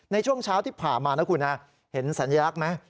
ในช่วงเช้าที่ผ่านมานะคุณเห็นสัญลักษณ์ไหม